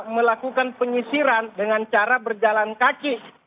melakukan penyisiran dengan cara berjalan kaki